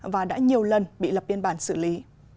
và đã nhiều lần bị lập biên bản xử lý